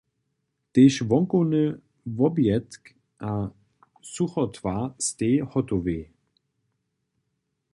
Tež wonkowny wobmjetk a suchotwar stej hotowej.